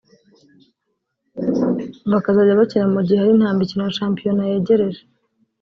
bakazajya bakina mu gihe ari nta mikino ya shampiyona yegereje